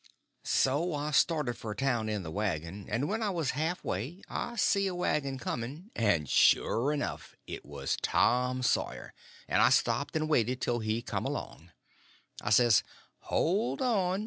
So I started for town in the wagon, and when I was half way I see a wagon coming, and sure enough it was Tom Sawyer, and I stopped and waited till he come along. I says "Hold on!"